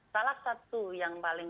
salah satu yang paling